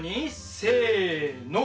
せの。